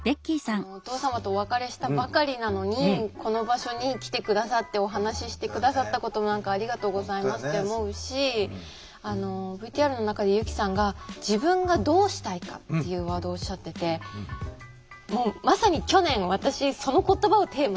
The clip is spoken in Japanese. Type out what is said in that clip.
お父様とお別れしたばかりなのにこの場所に来て下さってお話しして下さったこともありがとうございますって思うしＶＴＲの中で由希さんが「自分がどうしたいか」っていうワードをおっしゃっててもうまさに去年私その言葉をテーマに生き始めたんですね。